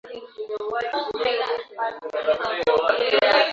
Kudhoofika makabila hayo yalisambaa hasa kwenda kusini mwa Ulaya